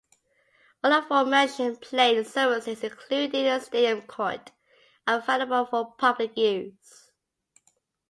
All aforementioned playing surfaces, including the stadium court, are available for public use.